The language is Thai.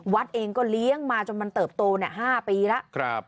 วัดเองก็เลี้ยงมาจนมันเติบโต๕ปีแล้ว